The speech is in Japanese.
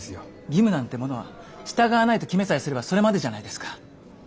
義務なんてものは従わないと決めさえすればそれまでじゃないですか。